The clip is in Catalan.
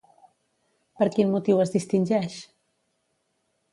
Per quin motiu es distingeix?